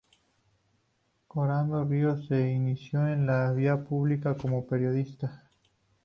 Conrado Ríos se inició en la vida pública como periodista.